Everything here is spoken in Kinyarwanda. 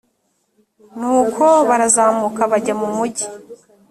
nuko barazamuka bajya mu mugi